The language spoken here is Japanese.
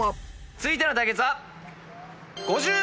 続いての対決は。